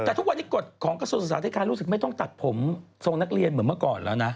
แต่ทุกวันนี้กฎของกระทรวงศึกษาธิการรู้สึกไม่ต้องตัดผมทรงนักเรียนเหมือนเมื่อก่อนแล้วนะ